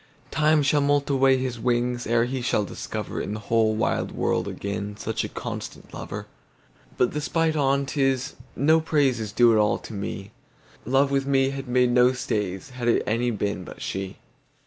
Time shall moult away his wingsEre he shall discoverIn the whole wide world againSuch a constant lover. But the spite on 't is, no praiseIs due at all to me:Love with me had made no stays, Had it any been but she.